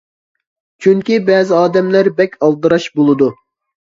چۈنكى بەزى ئادەملەر بەك ئالدىراش بولىدۇ.